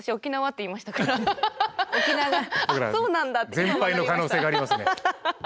全敗の可能性がありますね。